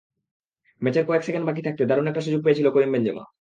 ম্যাচের কয়েক সেকেন্ড বাকি থাকতে দারুণ একটা সুযোগ পেয়েছিলেন করিম বেনজেমা।